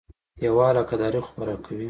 یوه علاقه داري خو به راکوې.